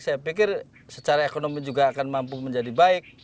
saya pikir secara ekonomi juga akan mampu menjadi baik